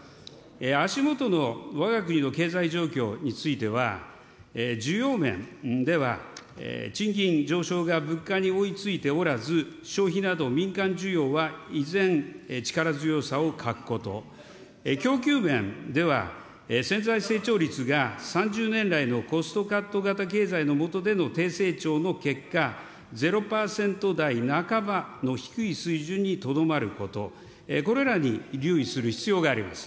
足下のわが国の経済状況については、需要面では、賃金上昇が物価に追いついておらず、消費など、民間需要は依然力強さを欠くこと、供給面では、潜在成長率が３０年来のコストカット型経済の下での低成長の結果、０％台半ばの低い水準にとどまること、これらに留意する必要があります。